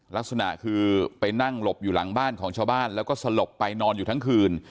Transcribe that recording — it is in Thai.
ลักษณะคือไปนั่งหลบอยู่หลังบ้านของชาวบ้านแล้วก็สลบไปนอนอยู่ทั้งคืน